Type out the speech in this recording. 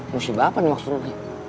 musibah apa nih maksud lo